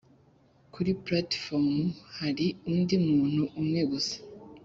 kuri platifomu hari undi muntu umwe gusa